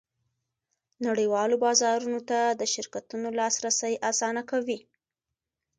نړیوالو بازارونو ته د شرکتونو لاسرسی اسانه کوي